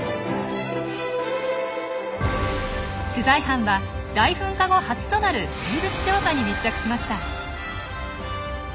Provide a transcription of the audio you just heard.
取材班は大噴火後初となる生物調査に密着しました。